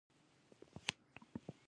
د شريف هم ټټر وپړسېد.